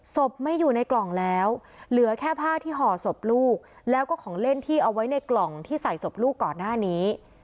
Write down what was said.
ศพไม่อยู่ในกล่องแล้วเหลือแค่ผ้าที่ห่อศพลูกแล้วก็ของเล่นที่เอาไว้ในกล่องที่ใส่ศพลูกก่อนหน้านี้